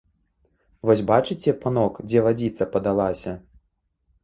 Вось бачыце, панок, дзе вадзіца падалася.